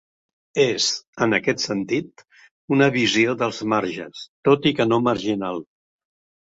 És, en aquest sentit, una visió dels marges, tot i que no marginal.